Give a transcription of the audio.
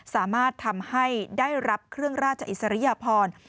สามารถทำให้ได้รับเครื่องราชอิสริยพร